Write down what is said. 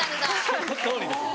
そのとおりです。